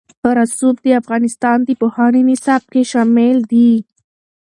رسوب د افغانستان د پوهنې نصاب کې شامل دي.